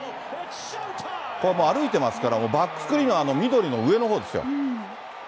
これもう、歩いてますから、バックスクリーンの緑の上のほうですよ。